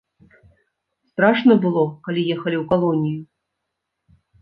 Страшна было, калі ехалі ў калонію?